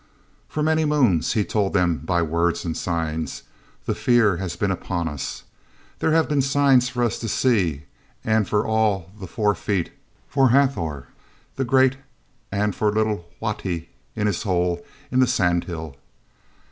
"For many moons," he told them by words and signs, "the fear has been upon us. There have been signs for us to see and for all the Four feet—for Hathor, the great, and for little Wahti in his hole in the sand hill.